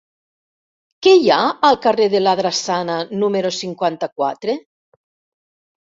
Què hi ha al carrer de la Drassana número cinquanta-quatre?